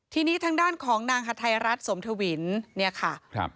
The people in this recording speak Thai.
ที่นี้ทางด้านของนางฮัตไทรรัชสมธวินเนี่ยค่ะ